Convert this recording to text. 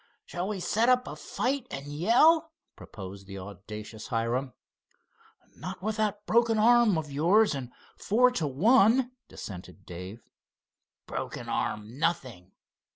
"Shall we set up a fight and yell?" proposed the audacious Hiram. "Not with that broken arm of yours and four to one," dissented Dave. "Broken arm, nothing!